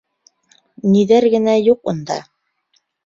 Ниҙәр генә юҡ унда!